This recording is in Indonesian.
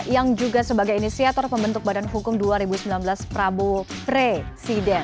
yang juga sebagai inisiator pembentuk badan hukum dua ribu sembilan belas prabowo presiden